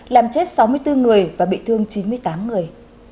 làm chết sáu mươi bốn người và bị thương chín mươi tám người